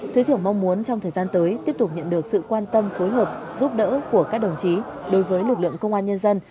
thứ trưởng mong muốn trong thời gian tới tiếp tục nhận được sự quan tâm phối hợp giúp đỡ của các đồng chí đối với lực lượng công an nhân dân